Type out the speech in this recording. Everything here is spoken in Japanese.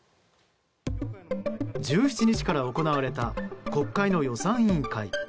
１７日から行われた国会の予算委員会。